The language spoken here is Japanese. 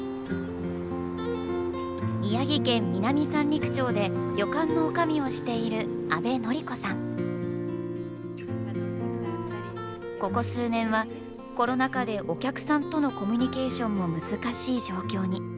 宮城県南三陸町で旅館のおかみをしているここ数年はコロナ禍でお客さんとのコミュニケーションも難しい状況に。